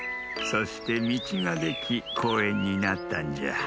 そしてみちができこうえんになったんじゃ。